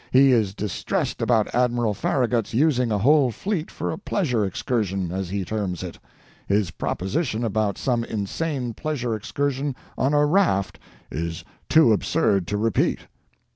He is distressed about Admiral Farragut's using a whole fleet for a pleasure excursion, as he terms it. His proposition about some insane pleasure excursion on a raft is too absurd to repeat."